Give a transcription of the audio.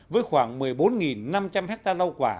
với khoảng một mươi bốn năm trăm linh hectare rau quả